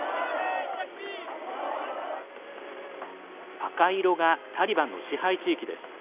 赤色がタリバンの支配地域です。